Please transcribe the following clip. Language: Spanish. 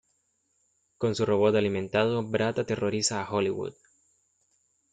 Con su robot alimentado, Bratt aterroriza a Hollywood.